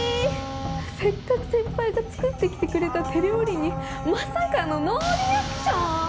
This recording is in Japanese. せっかく先輩が作ってきてくれた手料理にまさかのノーリアクション！？